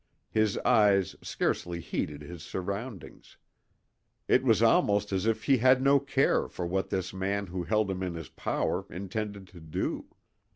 His eyes scarcely heeded his surroundings. It was almost as if he had no care for what this man who held him in his power intended to do.